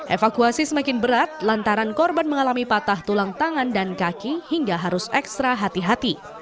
evakuasi semakin berat lantaran korban mengalami patah tulang tangan dan kaki hingga harus ekstra hati hati